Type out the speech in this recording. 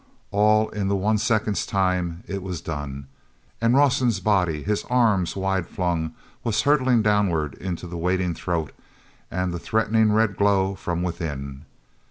All in the one second's time, it was done, and Rawson's body, his arms wide flung, was hurtling downward into the waiting throat and the threatening red glow from within.